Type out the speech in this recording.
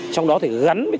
trong đó thì gắn với cái ưu tố